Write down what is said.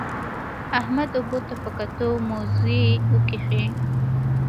احمد اوبو ته په کتو؛ موزې وکښې.